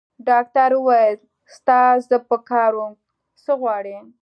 ډاکټر وویل: ستا زه په کار وم؟ څه غواړې؟